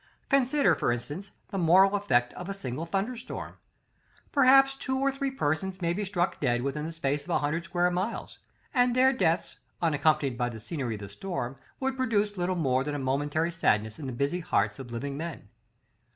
Consider, for instance, the moral effect of a single thunder storm. Perhaps two or three persons may be struck dead within the space of a hundred square miles; and their deaths, unaccompanied by the scenery of the storm, would produce little more than a momentary sadness in the busy hearts of living men.